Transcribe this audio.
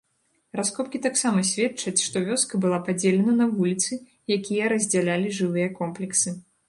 Раскопкі таксама сведчаць, што вёска была падзелена на вуліцы, якія раздзялялі жылыя комплексы.